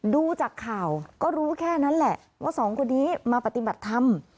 ดูจากข่าวก็รู้แค่นั้นแหละว่าสองคนนี้มาปฏิบัติธรรม